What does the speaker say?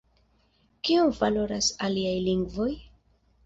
Kiom valoras “aliaj lingvoj?